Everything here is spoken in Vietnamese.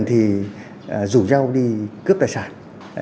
thì rủ nhau đi cướp tài sản